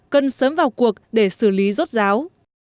cần sớm vào cuộc để xử lý rốt ráo